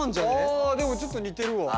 ああでもちょっと似てるわ。